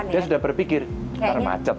dia sudah berpikir ntar macet